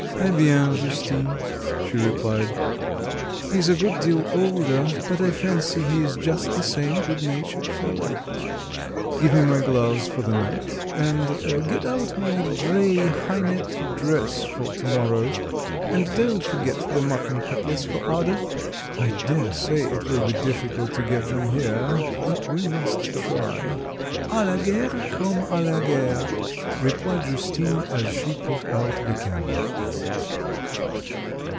"Eh bien, Justine," she replied, "he is a good deal older, but I fancy he is just the same good natured fellow. Give me my gloves for the night, and get out my grey high necked dress for to morrow, and don't forget the mutton cutlets for Ada.... I daresay it will be difficult to get them here; but we must try." "A la guerre comme à la guerre," replied Justine as she put out the candle.